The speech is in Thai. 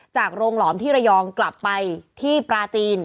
จากโรงหลอมที่ระยองกลับไปที่ปลาจีน